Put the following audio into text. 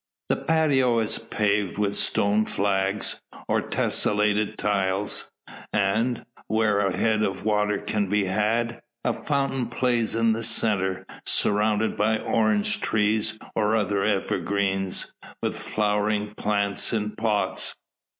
The patio is paved with stone flags, or tesselated tiles; and, where a head of water can be had, a fountain plays in the centre, surrounded by orange trees, or other evergreens, with flowering plants in pots.